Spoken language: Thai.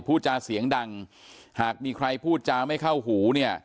พูดจาเสียงดังหากมีใครพูดจาไม่เข้าหูเนี่ย